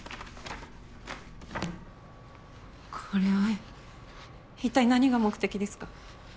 これは一体何が目的ですか？